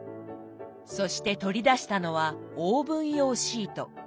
そして取り出したのはオーブン用シート。